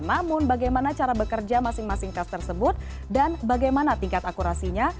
namun bagaimana cara bekerja masing masing tes tersebut dan bagaimana tingkat akurasinya